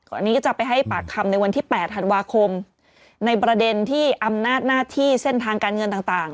อันนี้ก็จะไปให้ปากคำในวันที่๘ธันวาคมในประเด็นที่อำนาจหน้าที่เส้นทางการเงินต่าง